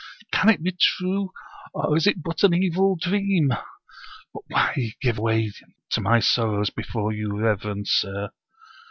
Can it be true, or is it but an evil dream? But why give way to my sorrows before you, reverend sir?